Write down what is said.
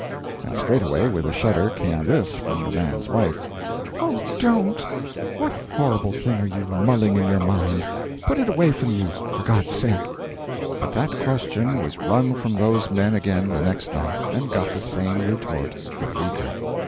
And straightway with a shudder came this, from the man's wife: "Oh, DON'T! What horrible thing are you mulling in your mind? Put it away from you, for God's sake!" But that question was wrung from those men again the next night and got the same retort. But weaker.